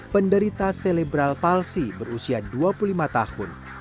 penderita selebral palsi berusia dua puluh lima tahun